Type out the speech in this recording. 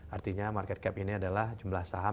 artinya market cap ini adalah jumlah saham